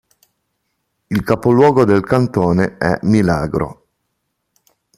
Il capoluogo del cantone è Milagro.